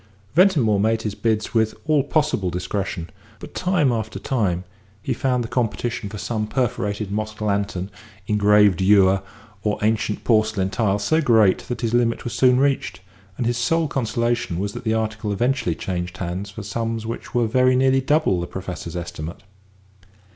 Ventimore made his bids with all possible discretion, but time after time he found the competition for some perforated mosque lantern, engraved ewer, or ancient porcelain tile so great that his limit was soon reached, and his sole consolation was that the article eventually changed hands for sums which were very nearly double the Professor's estimate.